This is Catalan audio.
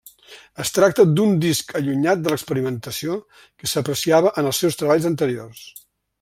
Es tracta d'un disc allunyat de l'experimentació que s'apreciava en els seus treballs anteriors.